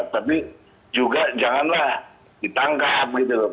tapi juga janganlah ditangkap gitu loh